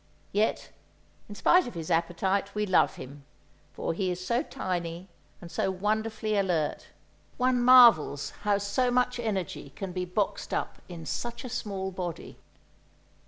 Yet, in spite of his appetite, we love him, for he is so tiny and so wonderfully alert; one marvels how so much energy can be boxed up in such a small body.